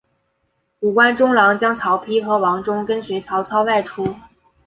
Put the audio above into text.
五官中郎将曹丕和王忠跟随曹操外出。